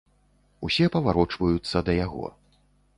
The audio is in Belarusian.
Усе паварочваюцца да яго.